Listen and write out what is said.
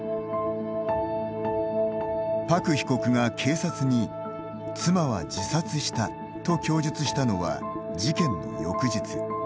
朴被告が警察に、妻は自殺したと供述したのは事件の翌日。